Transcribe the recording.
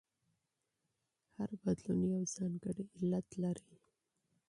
هر بدلون یو ځانګړی علت لري.